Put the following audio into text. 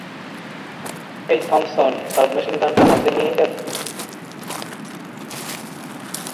এই থম্পসন সাবমেশিনগানটা হাতে নিয়েই দেখ!